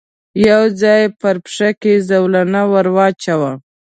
يو ځای پر پښه کې زولنه ور واچاوه.